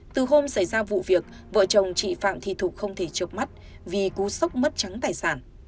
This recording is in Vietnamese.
từ hôm xảy ra vụ việc vợ chồng chị phạm thị thục không thể chộc mắt vì cú sốc mất trắng tài sản